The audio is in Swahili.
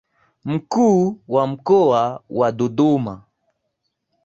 Mkuu wa Mkoa wa Dodoma.